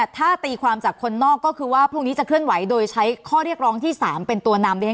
ถ้าตีความจากคนนอกก็คือว่าพรุ่งนี้จะเคลื่อนไหวโดยใช้ข้อเรียกร้องที่๓เป็นตัวนำดิฉัน